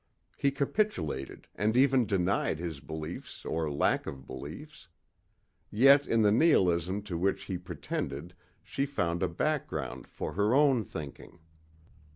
He capitulated and even denied his beliefs or lack of beliefs. Yet in the nihilism to which he pretended she found a background for her own thinking.